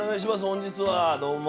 本日はどうも。